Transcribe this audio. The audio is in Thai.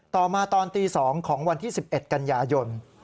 ต่อมาตอนตี๒ของวันที่๑๑กันยายน